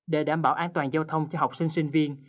để đảm bảo an toàn giao thông cho học sinh sinh viên